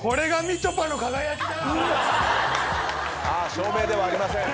照明ではありません。